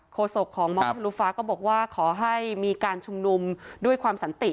โศกของมองทะลุฟ้าก็บอกว่าขอให้มีการชุมนุมด้วยความสันติ